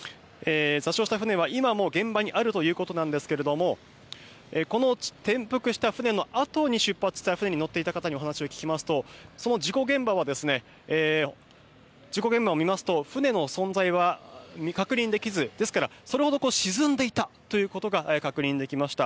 座礁した船は今も現場にあるということですがこの転覆した船のあとに出発した船に乗っていた方にお話を聞いたところその事故現場を見ますと船の存在は確認できずそれほど沈んでいたということが確認できました。